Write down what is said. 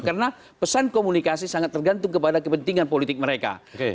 karena pesan komunikasi sangat tergantung kepada kepentingan politik mereka